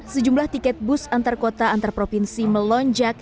sejumlah tiket bus antar kota antar provinsi melonjak